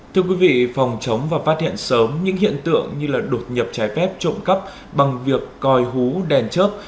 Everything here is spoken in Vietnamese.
thưa quý vị phòng chống và phát hiện sớm những hiện tượng như đột nhập trái phép trộm cắp bằng việc coi hú đèn chớp